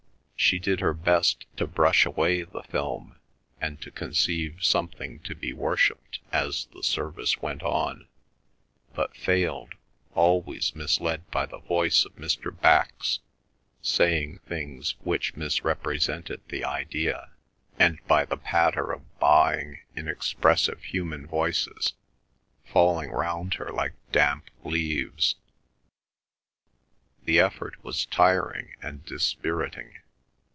She did her best to brush away the film and to conceive something to be worshipped as the service went on, but failed, always misled by the voice of Mr. Bax saying things which misrepresented the idea, and by the patter of baaing inexpressive human voices falling round her like damp leaves. The effort was tiring and dispiriting.